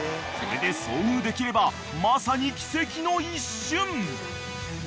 ［これで遭遇できればまさに奇跡の一瞬！］